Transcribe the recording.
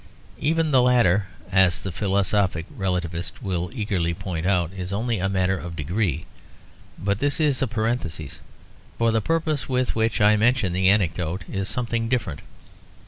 Even the latter, as the philosophic relativist will eagerly point out, is only a matter of degree. But this is a parenthesis; for the purpose with which I mentioned the anecdote is something different.